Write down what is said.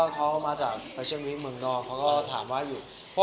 เขามาจากเฟชั่นวิกเมืองนอก